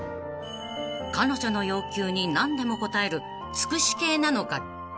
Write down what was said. ［彼女の要求に何でも応える尽くし系なのか？］